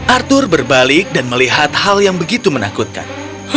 arthur berbalik dan melihat hal yang begitu menakutkan